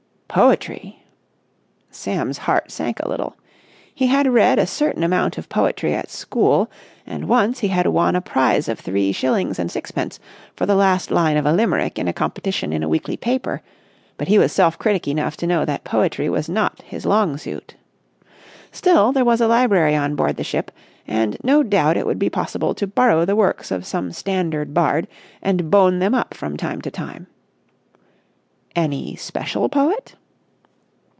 "Poetry!" Sam's heart sank a little. He had read a certain amount of poetry at school, and once he had won a prize of three shillings and sixpence for the last line of a Limerick in a competition in a weekly paper; but he was self critic enough to know that poetry was not his long suit. Still there was a library on board the ship, and no doubt it would be possible to borrow the works of some standard bard and bone them up from time to time. "Any special poet?"